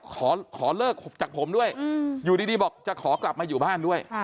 ขอเลิกจากผมด้วยอยู่ดีบอกจะขอกลับมาอยู่บ้านด้วย